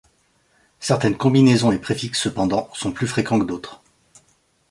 Certaines combinaisons et préfixes, cependant, sont plus fréquents que d'autres.